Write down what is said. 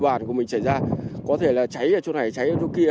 đề bàn của mình cháy ra có thể là cháy ở chỗ này cháy ở chỗ kia